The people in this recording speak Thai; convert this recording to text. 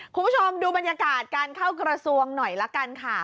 คุณผู้ชมดูบรรยากาศการเข้ากระทรวงหน่อยละกันค่ะ